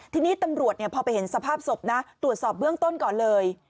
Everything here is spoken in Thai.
ทีนี้ตำรวจพอไปเห็นสภาพศพนะตรวจสอบเบื้องต้นก่อนเลย